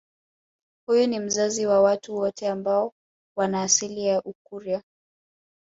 Huyu ni mzazi wa watu wote ambao wana asili ya Ukurya